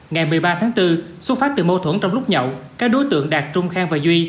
ngày một mươi ba tháng bốn xuất phát từ mâu thuẫn trong lúc nhậu các đối tượng đạt trung khang và duy